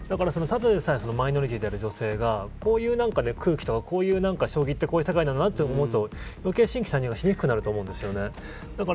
ただでさえマイノリティーである女性がこういう空気や将棋ってこういう世界なんだと余計、新規参入がしにくくなると思うんです。